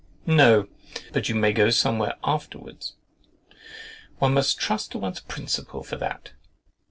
"No, but you may go some where afterwards."—"One must trust to one's principle for that."